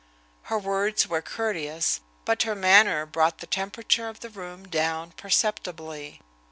Her words were courteous, but her manner brought the temperature of the room down perceptibly.